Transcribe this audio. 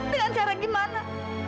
dengan cara gimana